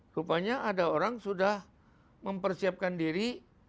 rupanya ada orang sudah mempersiapkan diri